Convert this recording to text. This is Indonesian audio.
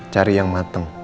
cari yang mateng